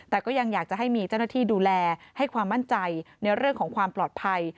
แต่ก็ยังอยากจะให้มีเจ้าหน้าที่ดูแลให้ความมั่นใจในเรื่องของความปลอดภัย